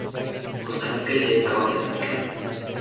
Costa Rica ya estaba clasificado.